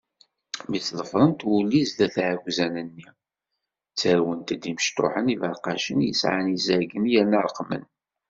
Mi sḍefrent wulli zdat n iɛekkzan-nni, ttarwent-d imecṭuḥen iberqacen, yesɛan izaggen, yerna reqmen.